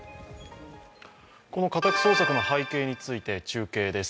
この家宅捜索の背景について中継です。